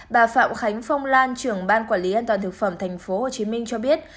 bà phạm khánh phong lan trưởng ban quản lý an toàn thực phẩm tp hcm cho biết